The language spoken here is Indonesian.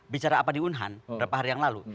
bicara apa di unhan berapa hari yang lalu